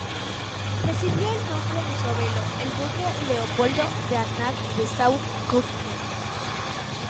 Recibió el nombre de su abuelo, el Duque Leopoldo de Anhalt-Dessau-Köthen.